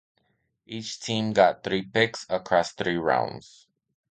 Each team got three picks across three rounds.